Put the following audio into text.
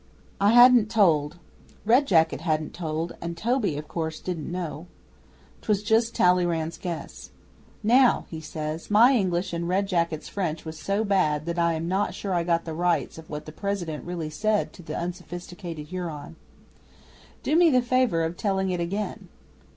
I hadn't told. Red Jacket hadn't told, and Toby, of course, didn't know. 'Twas just Talleyrand's guess. "Now," he says, "my English and Red Jacket's French was so bad that I am not sure I got the rights of what the President really said to the unsophisticated Huron. Do me the favour of telling it again."